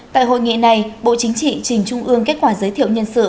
tại hội nghị này bộ chính trị trình trung ương kết quả giới thiệu nhân sự